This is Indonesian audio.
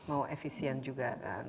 mau efisien juga kan